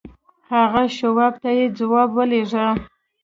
هغه شواب ته يې ځواب ولېږه.